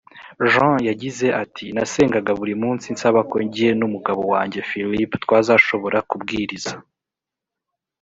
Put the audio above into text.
jean yagize ati nasengaga buri munsi nsaba ko jye n umugabo wanjye philip twazashobora kubwiriza.